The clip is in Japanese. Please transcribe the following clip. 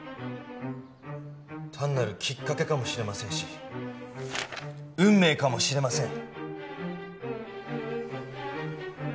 単なるきっかけかもしれませんし運命かもしれません。